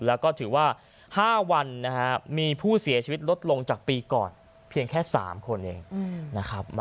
แล้วก็ถือว่า๕วันมีผู้เสียชีวิตลดลงจากปีก่อนเพียงแค่๓คนเองนะครับ